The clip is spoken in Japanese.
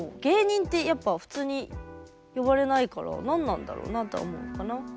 「芸人」ってやっぱ普通に呼ばれないから何なんだろうなとは思うかな。